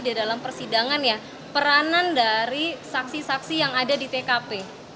di dalam persidangan ya peranan dari saksi saksi yang ada di tkp